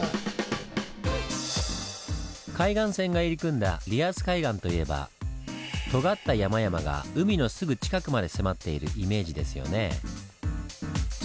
海岸線が入り組んだリアス海岸といえばとがった山々が海のすぐ近くまで迫っているイメージですよね。